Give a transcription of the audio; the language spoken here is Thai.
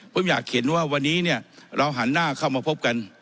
ผมอยากเห็นว่าวันนี้เนี่ยเราหันหน้าเข้ามาพบกัน